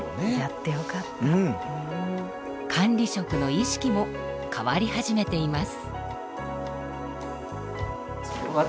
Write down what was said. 管理職の意識も変わり始めています。